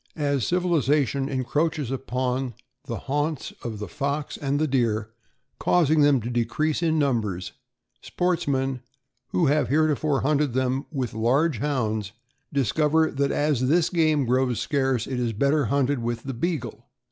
As civilization encroaches upon the haunts of the fox and the deer, causing them to decrease in numbers, sports men who have heretofore hunted them with large Hounds, discover that as this game grows scarce it is better hunted with the Beagle.